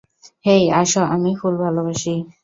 হেই, আসো - আমি ফুল ভালোবাসি।